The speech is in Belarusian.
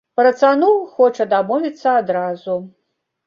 Пра цану хоча дамовіцца адразу.